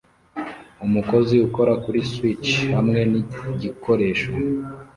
Umukozi ukora kuri switch hamwe nigikoresho